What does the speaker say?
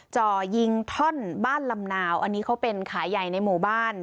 จ่อยิงท่อนบ้านลำนาวอันนี้เขาเป็นขายใหญ่ในหมู่บ้าน